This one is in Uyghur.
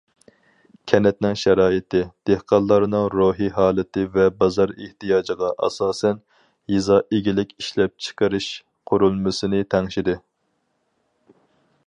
كەنتنىڭ شارائىتى، دېھقانلارنىڭ روھىي ھالىتى ۋە بازار ئېھتىياجىغا ئاساسەن، يېزا ئىگىلىك ئىشلەپچىقىرىش قۇرۇلمىسىنى تەڭشىدى.